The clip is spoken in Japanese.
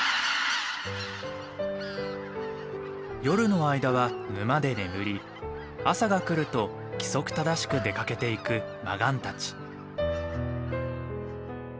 夜の間は沼で眠り朝が来ると規則正しく出かけていくマガンたち。